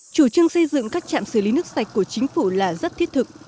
chủ trương xây dựng các trạm xử lý nước sạch của chính phủ là rất thiết thực